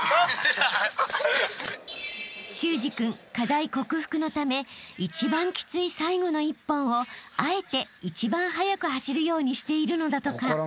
［修志君課題克服のため一番きつい最後の１本をあえて一番速く走るようにしているのだとか］